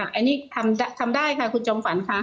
อันนี้ทำได้ค่ะคุณจอมฝันค่ะ